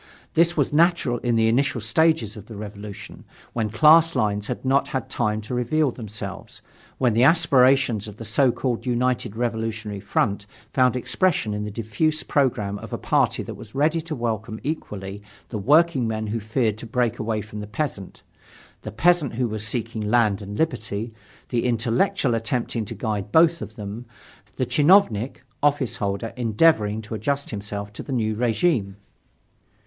This was natural in the initial stage of the Revolution, when class lines had not had time to reveal themselves, when the aspirations of the so called united revolutionary front found expression in the diffuse program of a party that was ready to welcome equally the workingman who feared to break away from the peasant; the peasant who was seeking land and liberty; the intellectual attempting to guide both of them; the chinovnik (officeholder) endeavoring to adjust himself to the new regime.